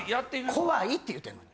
怖いっていうてんのに。